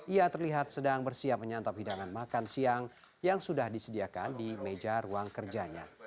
ia terlihat sedang bersiap menyantap hidangan makan siang yang sudah disediakan di meja ruang kerjanya